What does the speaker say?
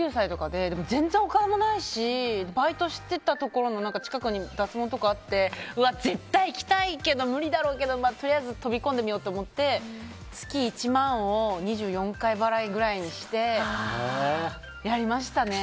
でも全然、お金もないしバイトしてたところの近くに脱毛とかあって絶対行きたいけど無理だろうけどとりあえず飛び込んでみようって思って、月１万を２４回払いくらいにしてやりましたね。